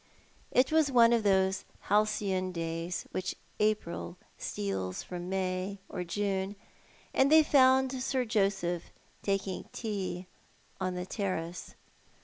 It was one of those halcyon days which April steals from May or June, and they found Sir Joseph taking tea on the terrace, 64 Tho7i art the Man.